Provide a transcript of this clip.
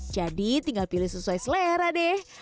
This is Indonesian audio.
jadi tinggal pilih sesuai selera deh